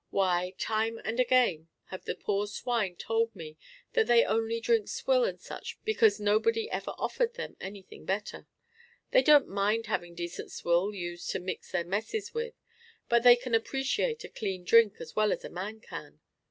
Why, time and again have the poor swine told me that they only drink swill and such stuff because nobody ever offered them anything better. They don't mind having decent swill used to mix their messes with, but they can appreciate a clean drink as well as a man can.